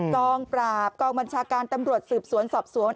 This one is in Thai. กองปราบกองบัญชาการตำรวจสืบสวนสอบสวน